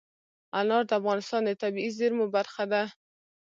انار د افغانستان د طبیعي زیرمو برخه ده.